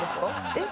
えっ？